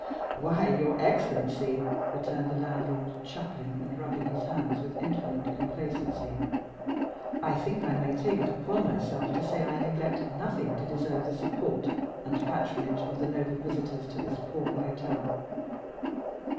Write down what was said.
"Why, your excellency," returned the landlord, chuckling and rubbing his hands with infinite complacency, "I think I may take upon myself to say I neglect nothing to deserve the support and patronage of the noble visitors to this poor hotel."